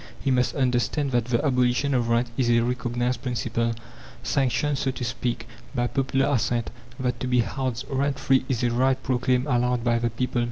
He must understand that the abolition of rent is a recognized principle, sanctioned, so to speak, by popular assent; that to be housed rent free is a right proclaimed aloud by the people.